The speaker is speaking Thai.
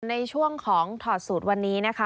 ในช่วงของถอดสูตรวันนี้นะคะ